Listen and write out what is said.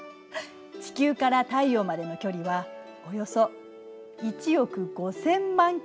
地球から太陽までの距離はおよそ１億５，０００万ｋｍ。